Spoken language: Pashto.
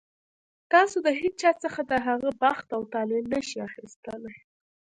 تاسو د هېچا څخه د هغه بخت او طالع نه شئ اخیستلی.